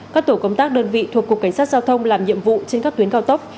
các tổ công tác đơn vị thuộc cục cảnh sát giao thông làm nhiệm vụ trên các tuyến cao tốc